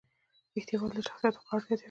رښتیا ویل د شخصیت وقار زیاتوي.